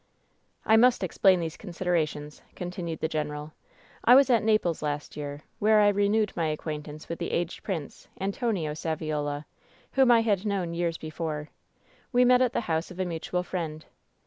"I must explain these considerations," continued the general. "I was at Naples last year, where I renewed my acquaintance with the aged prince, Antonio Saviola, whom I had known years before. We met at the house of a mutual friend.